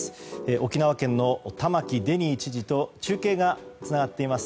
沖縄県の玉城デニー知事と中継がつながっています。